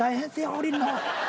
降りるの。